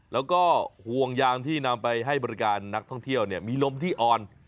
แล้วก็ห่วงยางที่นำไปให้บริการนักท่องเที่ยวมีลมที่อ่อน